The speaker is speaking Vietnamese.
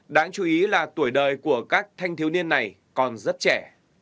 đáng chú ý là tuổi đời của các thanh thiếu niên này còn rất trẻ